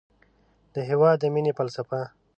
د هېواد د مینې فلسفه